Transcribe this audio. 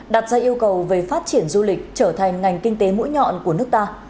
đặt ra yêu cầu về phát triển du lịch trở thành ngành kinh tế mũi nhọn của nước ta